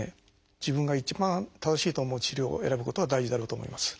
自分が一番正しいと思う治療を選ぶことが大事だろうと思います。